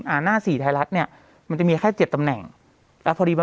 หน้าสี่ไทยรัฐเนี้ยมันจะมีแค่เจ็ดตำแหน่งแล้วพอดีว่า